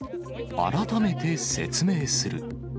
改めて説明する。